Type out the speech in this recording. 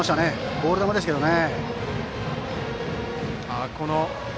ボール球でしたけどね。